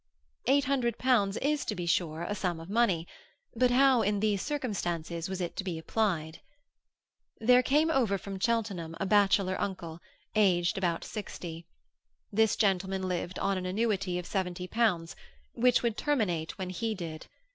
Eight hundred pounds is, to be sure, a sum of money; but how, in these circumstances, was it to be applied? There came over from Cheltenham a bachelor uncle, aged about sixty. This gentleman lived on an annuity of seventy pounds, which would terminate when he did.